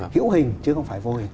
hiểu hình chứ không phải vô hình